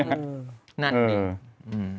นั่นเอง